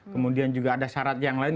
kemudian juga ada syarat yang lain